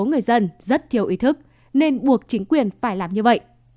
người dân rất thiếu ý thức nên buộc chính quyền phải làm như vậy